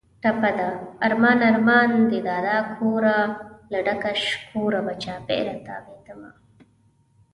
ټپه ده: ارمان ارمان دې دادا کوره، له ډکه شکوره به چاپېره تاوېدمه